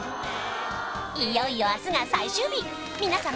いよいよ明日が最終日皆様